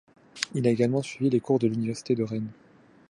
Il a également suivi les cours de l'Université de Rennes.